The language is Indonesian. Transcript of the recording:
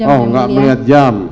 oh gak melihat jam